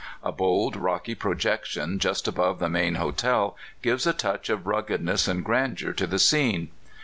A bold, rocky projection just above the main hotel gives a touch of ruggedness and grandeur to the scene.